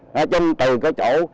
nó chung từ cái chỗ